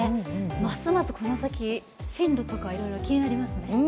ますます、この先、進路とかいろいろ気になりますね。